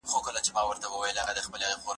موږ به په راتلونکي کي هم خپله ژبه ساتو.